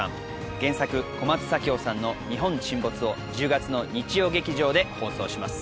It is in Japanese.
原作・小松左京さんの「日本沈没」を１０月の日曜劇場で放送します